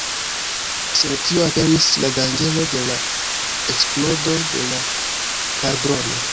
Sen tio aperis la danĝero de la eksplodo de la kaldrono.